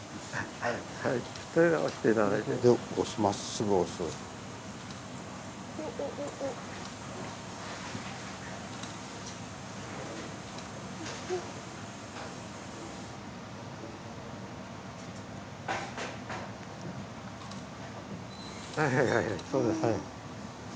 はいはいそうです。